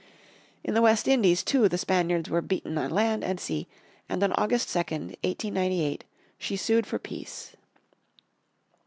In the West Indies too the Spaniards were beaten on land and sea and on August 2nd, 1898, she sued for peace.